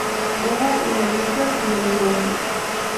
Hubo idealistas y delincuentes.